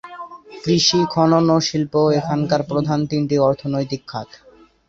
কৃষি, খনন ও শিল্প এখানকার প্রধান তিনটি অর্থনৈতিক খাত।